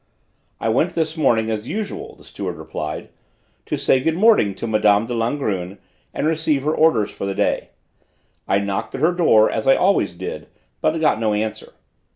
"I went this morning as usual, sir," the steward replied, "to say good morning to Mme. de Langrune and receive her orders for the day. I knocked at her door as I always did, but got no answer.